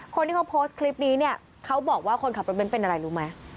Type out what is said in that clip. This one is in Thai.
คนที่เขาโพสต์คลิปนี้เนี่ยเขาบอกว่าคนขับรถเบ้นเป็นอะไรรู้ไหม